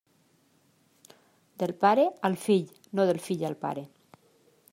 Del pare al fill, no del fill al pare.